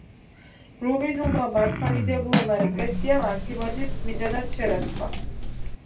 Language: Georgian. რუმინულმა მართლმადიდებლურმა ეკლესიამ ანთიმოზი წმინდანად შერაცხა.